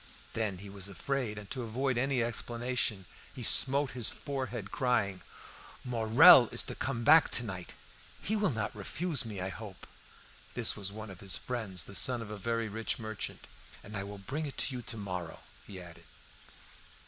Then he was afraid, and to avoid any explanation he smote his forehead, crying "Morel is to come back to night; he will not refuse me, I hope" (this was one of his friends, the son of a very rich merchant); "and I will bring it you to morrow," he added.